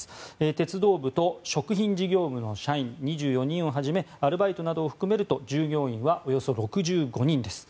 鉄道部と食品事業部の社員２４人をはじめアルバイトなどを含めると従業員はおよそ６５人です。